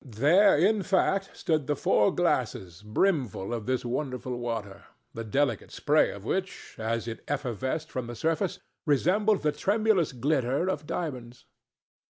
There, in fact, stood the four glasses brimful of this wonderful water, the delicate spray of which, as it effervesced from the surface, resembled the tremulous glitter of diamonds.